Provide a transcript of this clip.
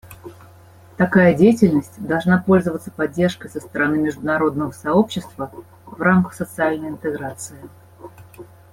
Такая деятельность должна пользоваться поддержкой со стороны международного сообщества в рамках социальной интеграции.